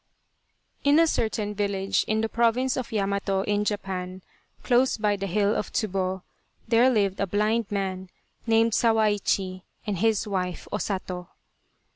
IN a certain village in the province of Yamato in Japan, close by the hill of Tsubo, there lived a blind man named Sawaichi and his wife, O Sato.